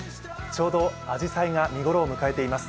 ちょうど、あじさいが見ごろを迎えています。